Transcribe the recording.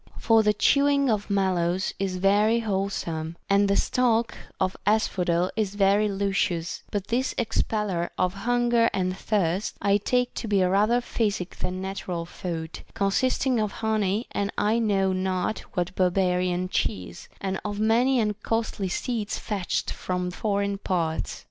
For the chewing of mallows is very wholesome, and the stalk of asphodel is very luscious ; but this '; expeller of hunger and thirst " I take to be rather physic than natural food, consisting of honey and I know not what barbarian cheese, and of many and costly seeds fetched from foreign parts.